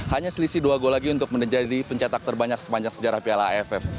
hanya selisih dua gol lagi untuk menjadi pencetak terbanyak sepanjang sejarah piala aff